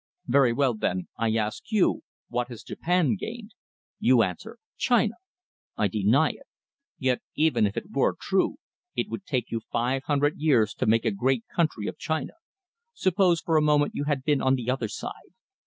Very well, then, I ask you, what has Japan gained? You answer China? I deny it. Yet even if it were true, it will take you five hundred years to make a great country of China. Suppose for a moment you had been on the other side.